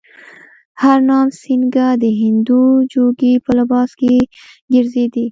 هرنام سینګه د هندو جوګي په لباس کې ګرځېدی.